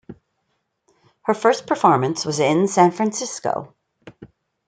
Her first performance was in San Francisco.